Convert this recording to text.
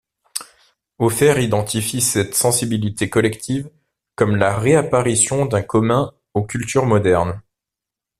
Hoffer identifie cette sensibilité collective comme la réapparition d'un commun aux cultures modernes..